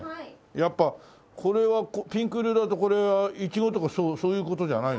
やっぱこれはピンク色だとこれはイチゴとかそういう事じゃないの？